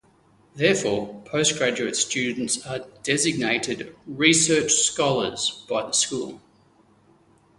Therefore, postgraduate students are designated "Research Scholars" by the school.